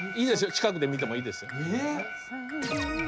近くで見てもいいですよ。